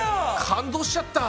感動しちゃった！